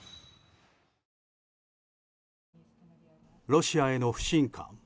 ロシアへの不信感。